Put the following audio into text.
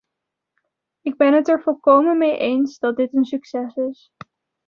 Ik ben het er volkomen mee eens dat dit een succes is.